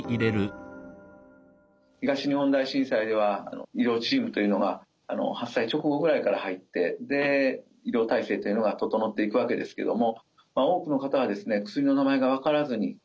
東日本大震災では医療チームというのが発災直後ぐらいから入って医療体制というのが整っていくわけですけども。